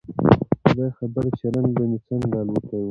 خداى خبر چې رنگ به مې څنګه الوتى و.